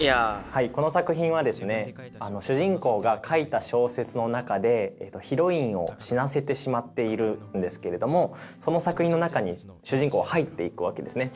はいこの作品はですね主人公が書いた小説の中でヒロインを死なせてしまっているんですけれどもその作品の中に主人公は入っていくわけですね。